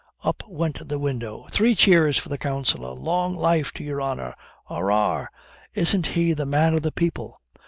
Up went the window "Three cheers for the counsellor! Long life to your honor. Arrah! isn't he the man of the people."